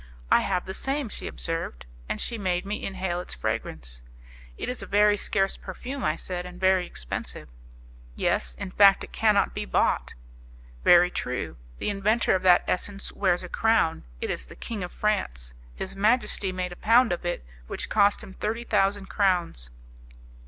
"I have the same," she observed. And she made me inhale its fragrance. "It is a very scarce perfume," I said, "and very expensive." "Yes; in fact it cannot be bought." "Very true; the inventor of that essence wears a crown; it is the King of France; his majesty made a pound of it, which cost him thirty thousand crowns."